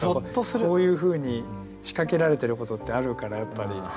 こういうふうに仕掛けられてることってあるからやっぱり。